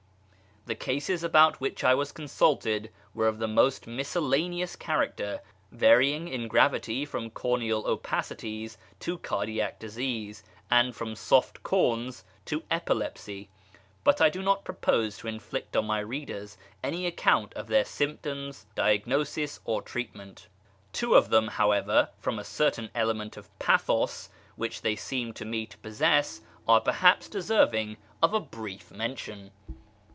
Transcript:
The cases about which I was consulted were of the most miscellaneous character, varying in gravity from corneal opacities to cardiac disease, and from soft corns to epilepsy ; but I do not propose to inflict on my readers any account of their symptoms, diagnosis, or treatment. Two of them, however, from a certain element of pathos which they seem to me to possess, are perhaps, deserving of a brief mention.